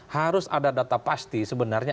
harus ada data pasti sebenarnya